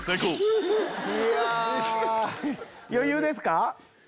余裕ですか？